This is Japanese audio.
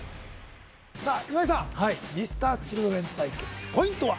さあ今井さんＭｒ．Ｃｈｉｌｄｒｅｎ対決ポイントは？